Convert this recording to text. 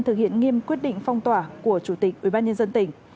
thực hiện nghiêm quyết định phong tỏa của chủ tịch ubnd tỉnh